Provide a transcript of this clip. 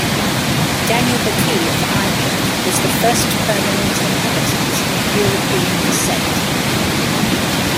Daniel McQuay of Ireland was the first permanent inhabitant of European descent.